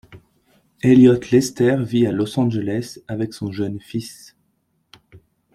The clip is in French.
Elliott Lester vit à Los Angeles avec son jeune fils.